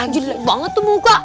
jelek banget tuh muka